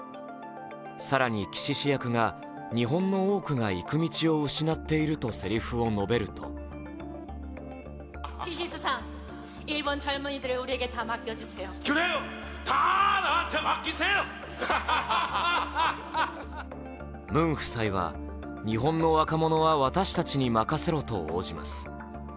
更に岸氏役が日本の多くが行く道を失っているとせりふを述べるとムン夫妻は日本の若者は私たちに任せろと応じます。